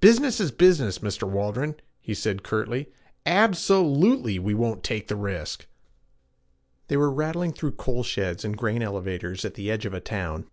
'Business is business, Mr. Waldron,' he said curtly. 'Ab so lute ly, we won't take the risk.' They were rattling through coal sheds and grain elevators at the edge of a town.